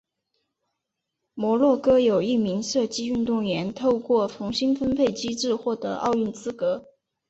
摩洛哥有一名射击运动员透过重新分配机制获得奥运资格。